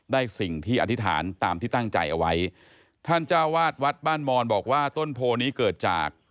สิ่งที่อธิษฐานตามที่ตั้งใจเอาไว้ท่านเจ้าวาดวัดบ้านมอนบอกว่าต้นโพนี้เกิดจาก